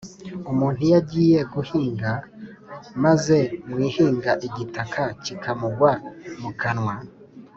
Umuntu iyo agiye huginga maze mu ihinga igitaka kikamugwa mu kanwa,